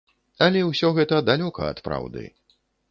Але ўсё гэта далёка ад праўды.